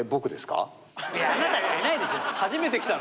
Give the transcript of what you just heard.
いやあなたしかいないでしょうよ！